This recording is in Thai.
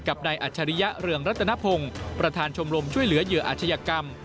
กับนายอัจฉริยะเรืองรัตนพงศ์ประธานชมรมช่วยเหลือเหยื่ออาชญากรรม